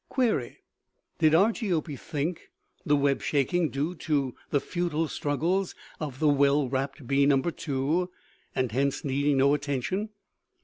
"Query: Did Argiope think the web shaking due to futile struggles of the well wrapped bee No. 2, and hence needing no attention?